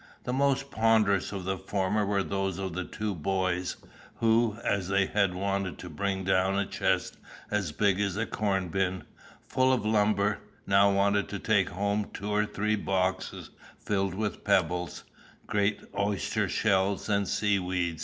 The most ponderous of the former were those of the two boys, who, as they had wanted to bring down a chest as big as a corn bin, full of lumber, now wanted to take home two or three boxes filled with pebbles, great oystershells, and sea weed.